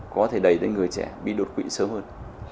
có thể đẩy đến người trẻ bị đột quỵ sớm hơn